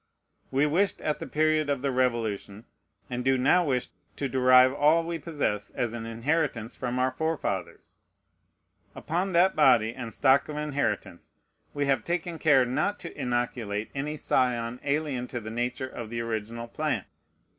We wished at the period of the Revolution, and do now wish, to derive all we possess as an inheritance from our forefathers. Upon that body and stock of inheritance we have taken care not to inoculate any scion alien to the nature of the original plant.